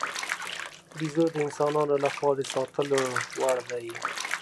بیزو د انسانانو له خوا د ساتلو وړ دی.